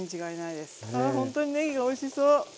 あほんとにねぎがおいしそう！